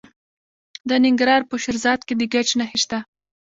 د ننګرهار په شیرزاد کې د ګچ نښې شته.